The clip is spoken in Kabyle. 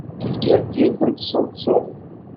Teḥkiḍ-d yiwet n tseḍsut.